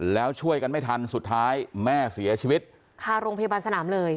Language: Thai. แล้วช่วยกันไม่ทันสุดท้ายแม่เสียชีวิตคาโรงพยาบาลสนามเลย